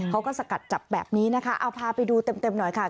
สกัดจับแบบนี้นะคะเอาพาไปดูเต็มหน่อยค่ะ